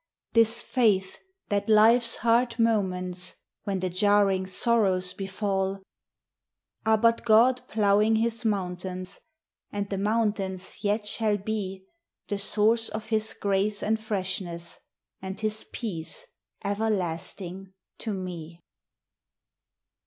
This faith that life's hard moments, When the jarring sorrows befall, Are but God ploughing his mountains; And the mountains yet shall be The source of his grace and freshness And his peace everlasting to me.